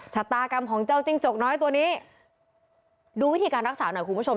ชะตากรรมของเจ้าจิ้งจกน้อยตัวนี้ดูวิธีการรักษาหน่อยคุณผู้ชม